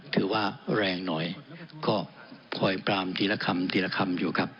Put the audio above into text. ถือว่าแรงหน่อยก็คอยปรามทีละคำทีละคำอยู่ครับ